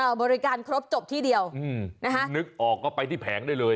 อ้าวบริการครบจบที่เดียวนึกออกก็ไปที่แผงได้เลย